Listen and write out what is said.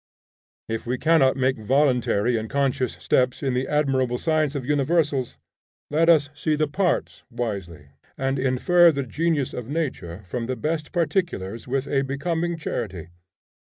If we cannot make voluntary and conscious steps in the admirable science of universals, let us see the parts wisely, and infer the genius of nature from the best particulars with a becoming charity.